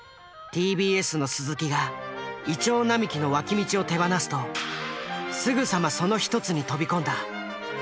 ＴＢＳの鈴木が銀杏並木の脇道を手放すとすぐさまその一つに飛び込んだ。